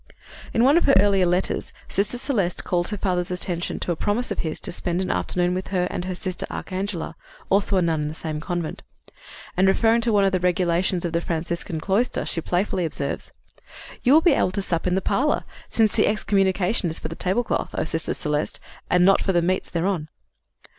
In one of her earlier letters Sister Celeste calls her father's attention to a promise of his to spend an afternoon with her and her sister Arcangela, also a nun in the same convent. And, referring to one of the regulations of the Franciscan cloister, she playfully observes: "You will be able to sup in the parlor, since the excommunication is for the table cloth" O Sister Celeste! "and not for the meats thereon."